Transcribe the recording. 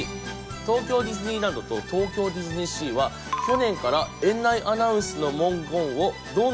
東京ディズニーランドと東京ディズニーシーは去年から園内アナウンスの文言をどんどん変えているんだって。